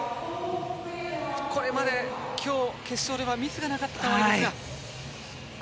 これまで決勝ではミスがなかったんですが。